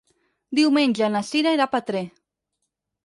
Diumenge na Cira irà a Petrer.